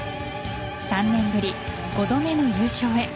３年ぶり、５度目の優勝へ。